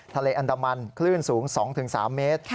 ทะเลอันดามันคลื่นสูง๒๓เมตร